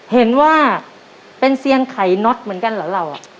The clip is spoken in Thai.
เห็นว่าเป็นเซียนไข่น็อตเหมือนกันเหรอเรา